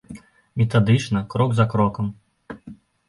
Метадычна, крок за крокам.